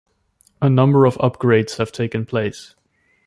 A number of upgrades have taken place.